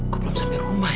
kok belum sampai rumah ya